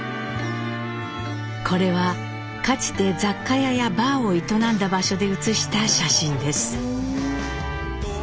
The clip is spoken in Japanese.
これはかつて雑貨屋やバーを営んだ場所で写した写真です。